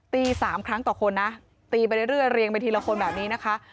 ๓ครั้งต่อคนนะตีไปเรื่อยเรียงไปทีละคนแบบนี้นะคะ